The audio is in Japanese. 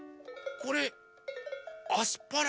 これアスパラ！